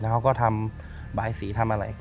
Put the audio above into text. แล้วเขาก็ทำบ่ายสีทำอะไร